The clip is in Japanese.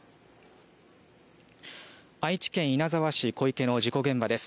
愛知県稲沢市小池の事故現場です。